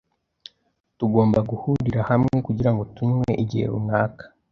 Tugomba guhurira hamwe kugirango tunywe igihe runaka.